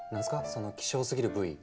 その希少すぎる部位。